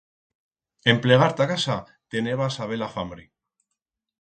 En plegar ta casa teneba a-saber-la fambre.